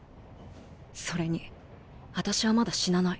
それに私はまだ死なない。